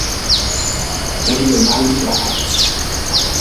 Regionalliga ab.